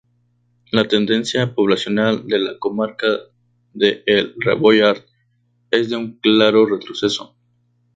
La tendencia poblacional de la comarca de El Rebollar es de un claro retroceso.